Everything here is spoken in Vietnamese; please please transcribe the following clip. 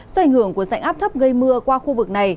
do ảnh hưởng của sảnh áp thấp gây mưa qua khu vực này